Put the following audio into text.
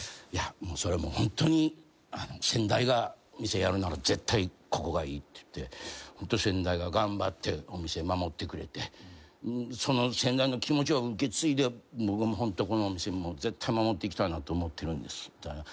「それもホントに先代が店やるなら絶対ここがいいって言ってホント先代が頑張ってお店守ってくれてその先代の気持ちを受け継いで僕ホントこのお店絶対守っていきたいなと思ってるんです」